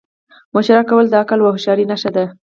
مشوره کول د عقل او هوښیارۍ نښه ده.